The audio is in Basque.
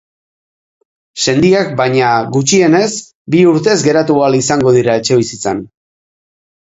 Sendiak, baina, gutxienez bi urtez geratu ahal izango dira etxebizitzan.